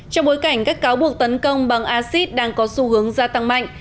trong bối cảnh các cáo buộc tấn công bằng acid đang có xu hướng gia tăng mạnh